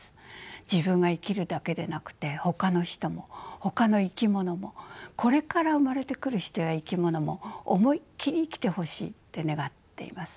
自分が生きるだけでなくてほかの人もほかの生き物もこれから生まれてくる人や生き物も思いっきり生きてほしいって願っています。